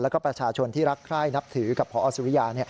แล้วก็ประชาชนที่รักใคร่นับถือกับพอสุริยา